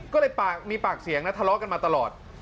ก็เลยมีปากเสียงนะทะเลาะกันมาตลอด